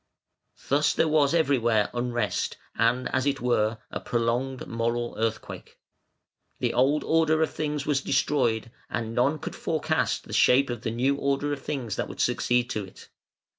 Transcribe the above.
Thus there was everywhere unrest and, as it were, a prolonged moral earthquake. The old order of things was destroyed, and none could forecast the shape of the new order of things that would succeed to it.